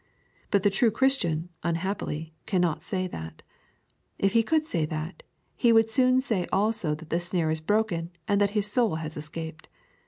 But the true Christian, unhappily, cannot say that. If he could say that, he would soon say also that the snare is broken and that his soul has escaped.